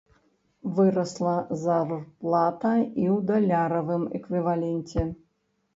Вырасла зарплата і ў даляравым эквіваленце.